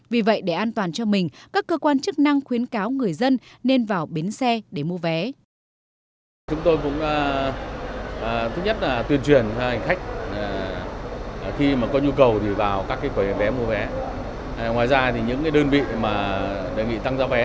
vì vậy để an toàn cho các bến các xe đều phải đặt chỗ để bán vé